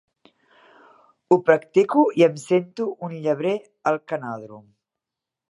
Ho practico i em sento un llebrer al canòdrom.